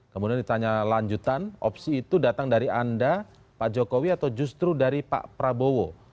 kemudian ditanya lanjutan opsi itu datang dari anda pak jokowi atau justru dari pak prabowo